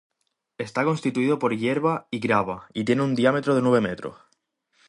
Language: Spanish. Está constituido por hierba y grava y tiene un diámetro de nueve metros.